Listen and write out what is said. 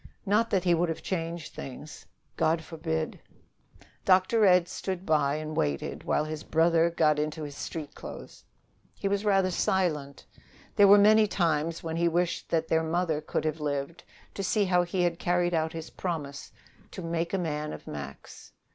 Not that he would have changed things. God forbid! Dr. Ed stood by and waited while his brother got into his street clothes. He was rather silent. There were many times when he wished that their mother could have lived to see how he had carried out his promise to "make a man of Max."